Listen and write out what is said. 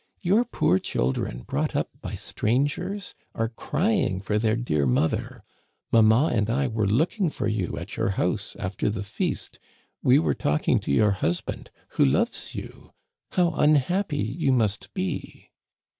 Your poor children, brought up by strangers, are crying for their dear moth er. Mamma and I were looking for you at your house after the feast. We were talking to your husband who loves you. How unhappy you must be